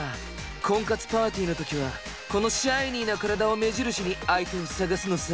婚活パーティーの時はこのシャイニーな体を目印に相手を探すのさ。